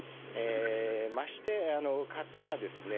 まして買ったらですね